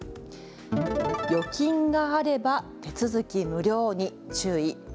預金があれば手続き無料に注意。